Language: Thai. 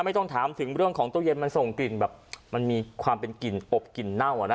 ไม่ต้องถามถึงเรื่องของตู้เย็นมันส่งกลิ่นแบบมันมีความเป็นกลิ่นอบกลิ่นเน่าอ่ะนะ